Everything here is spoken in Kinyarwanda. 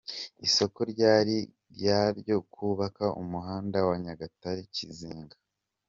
Isoko ryari iryo kubaka umuhanda wa Nyagatare – Kizinga.